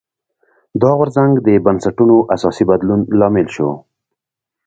دا غورځنګ د بنسټونو اساسي بدلون لامل شو.